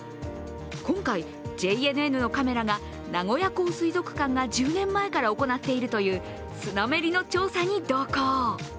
今回、ＪＮＮのカメラが名古屋港水族館が１０年前から行っているというスナメリの調査に同行。